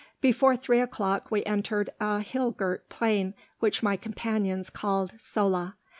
Before three o'clock we entered a hill girt plain, which my companions called "Sola."